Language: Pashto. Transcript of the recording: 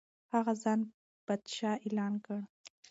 هغه ځان پادشاه اعلان کړ.